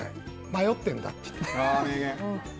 迷ってるんだって。